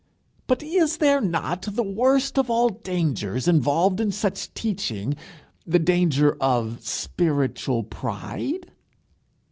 "But is there not the worst of all dangers involved in such teaching the danger of spiritual pride?"